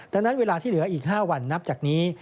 ดังนั้นเวลาที่เหลืออีก๕วันนับจากนี้